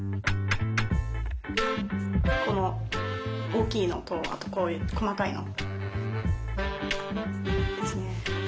この大きいのとあとこういう細かいの。